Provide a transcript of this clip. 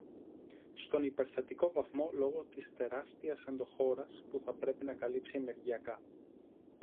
στον υπερθετικό βαθμό λόγω της τεράστιας ενδοχώρας που θα πρέπει να καλύψει ενεργειακά.